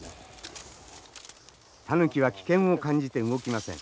タヌキは危険を感じて動きません。